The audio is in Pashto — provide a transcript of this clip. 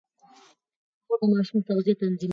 مور د ماشوم تغذيه تنظيموي.